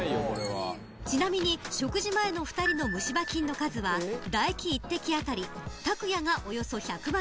「ちなみに食事前の２人の虫歯菌の数は唾液１滴当たりたくやがおよそ１００万匹」